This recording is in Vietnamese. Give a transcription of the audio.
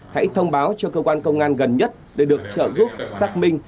hãy thông báo cho cơ quan công an gần nhất để được trợ giúp xác minh